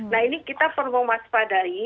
nah ini kita perlu waspadai